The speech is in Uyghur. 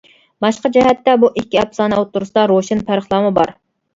باشقا جەھەتتە بۇ ئىككى ئەپسانە ئوتتۇرىسىدا روشەن پەرقلەرمۇ بار.